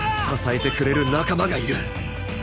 支えてくれる仲間がいる